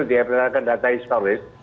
berdasarkan data historis